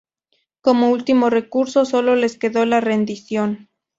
Como último recurso sólo les quedó la rendición.